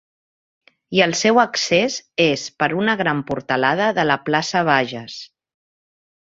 I el seu accés és per una gran portalada de la Plaça Bages.